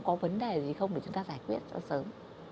có vấn đề gì không để chúng ta giải quyết cho sớm